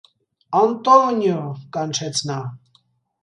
- Անտո՜նիո,- կանչեց նա: